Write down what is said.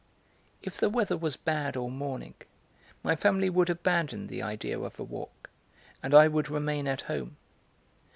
If the weather was bad all morning, my family would abandon the idea of a walk, and I would remain at home.